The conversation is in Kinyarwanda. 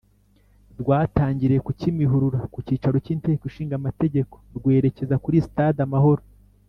rwatangiriye ku Kimihurura ku cyicaro cy Inteko Ishinga Amategeko rwerekeza kuri Stade Amahoro